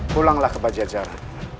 pulanglah ke bajajara